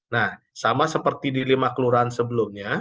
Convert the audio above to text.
nah sama seperti di lima kelurahan sebelumnya